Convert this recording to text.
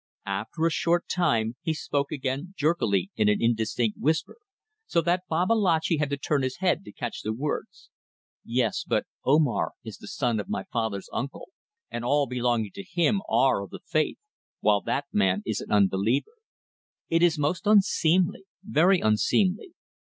After a short time he spoke again jerkily in an indistinct whisper, so that Babalatchi had to turn his head to catch the words. "Yes. But Omar is the son of my father's uncle ... and all belonging to him are of the Faith ... while that man is an unbeliever. It is most unseemly ... very unseemly.